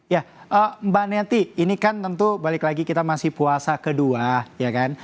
ya mbak neti ini kan tentu balik lagi kita masih puasa kedua ya kan